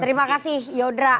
terima kasih yodra